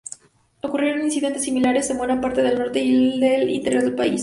Ocurrieron incidentes similares en buena parte del norte y del interior del país.